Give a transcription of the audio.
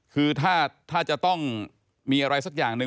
คือถ้าจะต้องมีอะไรสักอย่างหนึ่ง